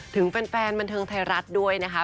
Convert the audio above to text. ถึงแฟนบันเทิงไทยรัฐด้วยนะคะ